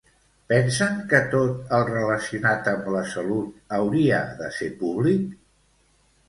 Pensen que tot el relacionat amb la salut hauria de ser públic?